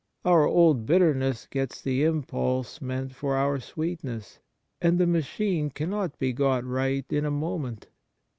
Our old bitterness gets the impulse meant for our sweetness, and the machine cannot be got right in a moment.